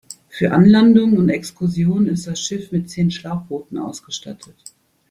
Für Anlandungen und Exkursionen ist das Schiff mit zehn Schlauchbooten ausgestattet.